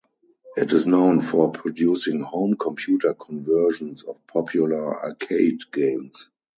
It is known for producing home computer conversions of popular arcade games.